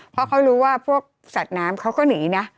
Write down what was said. เพราะเขารู้ว่าพวกสัตว์น้ำเขาก็หนีนะ